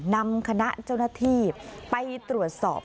นำคณะเจ้าหน้าที่ไปตรวจสอบ